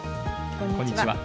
こんにちは。